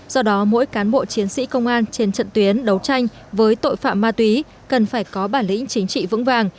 do đó mỗi cán bộ chiến sĩ công an trên trận tuyến đấu tranh với tội phạm ma túy cần phải có bản lĩnh chính trị vững vàng